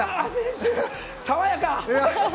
爽やか！